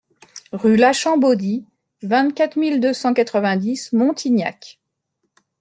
Rue Lachambeaudie, vingt-quatre mille deux cent quatre-vingt-dix Montignac